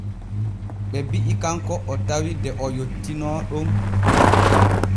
Ɓe bi’i kanko o tawi de o yottiino ɗon.